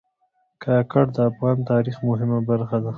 کاکړ د افغان تاریخ مهمه برخه دي.